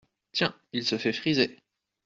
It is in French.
Tiens… il se fait friser ?…